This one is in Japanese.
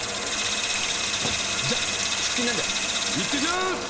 じゃあ出勤なんで行ってきます！